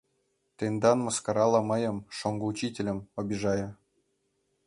— Тендан мыскарала мыйым, шоҥго учительым, обижая.